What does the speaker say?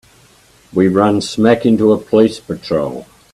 We run smack into a police patrol.